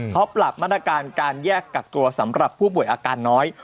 เขาปรับมาตรการการแยกกักตัวสำหรับผู้ป่วยอาการน้อย